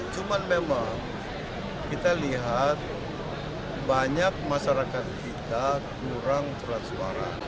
cuman memang kita lihat banyak masyarakat kita kurang transparan